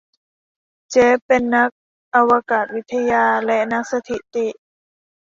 เจฟฟ์เป็นนักอากาศวิทยาและนักสถิติ